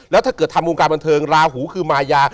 แล้วถ้าเกิดทำวงการบันเทิงราหูคือมายา